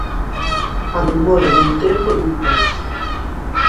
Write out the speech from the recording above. A memoria dun tempo e dun país.